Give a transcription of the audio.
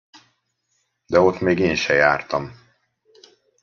De ott még én se jártam.